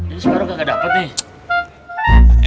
ini starro kagak dapet nih